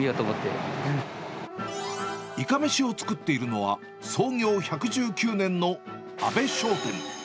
いかめしを作っているのは、創業１１９年の阿部商店。